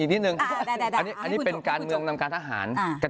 นิดนึงอันนี้เป็นการเมืองนำการทหาร